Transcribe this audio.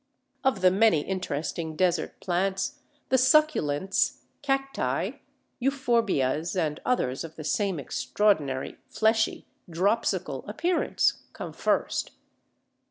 Of the many interesting desert plants, the Succulents, Cacti, Euphorbias, and others of the same extraordinary, fleshy, dropsical appearance, come first.